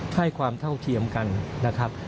ให้ความเท่าเทียมกันนะครับ